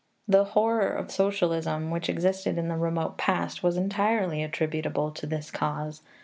The horror of socialism which existed in the remote past was entirely attributable to this cause.